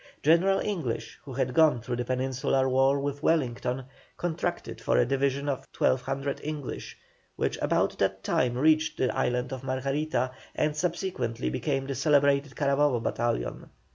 General English, who had gone through the Peninsular War with Wellington, contracted for a division of 1,200 English, which about this time reached the Island of Margarita, and subsequently became the celebrated Carabobo battalion.